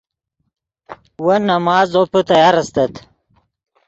ون نماز زوپے تیار استت